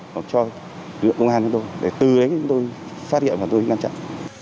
hoặc cho lực lượng công an cho tôi để từ đấy chúng tôi phát hiện và tôi ngăn chặn